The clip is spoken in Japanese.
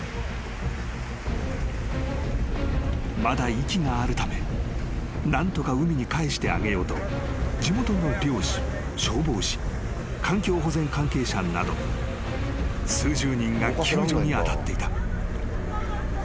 ［まだ息があるため何とか海に返してあげようと地元の漁師消防士環境保全関係者など数十人が救助に当たっていた］